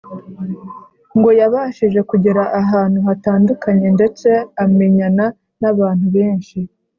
ngo yabashije kugera ahantu hatandukanye ndetse amenyana n’abantu benshi.